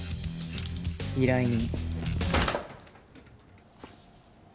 依頼人。